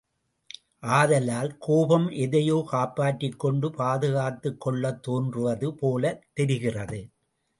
ஆதலால் கோபம் எதையோ காப்பாற்றிக் கொண்டு பாதுகாத்துக் கொள்ளத் தோன்றுவது போலத் தெரிகிறது.